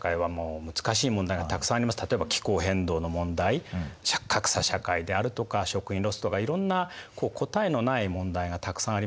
例えば気候変動の問題格差社会であるとか食品ロスとかいろんな答えのない問題がたくさんありますよね。